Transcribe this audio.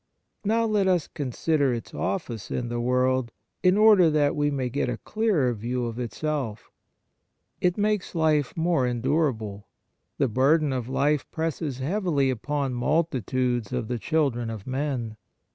Now let us consider its office in the world, in order that we may get a clearer view of itself. It makes life more endurable. The burden of life presses heavily upon multitudes of the children of men.